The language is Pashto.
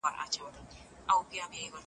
کمپيوټر يوزر لري.